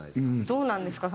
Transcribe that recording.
どうなんですか？